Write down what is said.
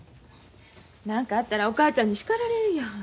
何かあったらお母ちゃんに叱られるやん。